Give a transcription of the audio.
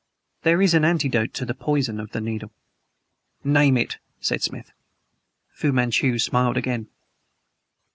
There is an antidote to the poison of the needle." "Name it," said Smith. Fu Manchu smiled again.